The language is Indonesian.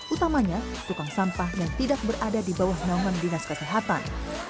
utamanya tukang sampah yang tidak berada di bawah naungan dinas kesehatan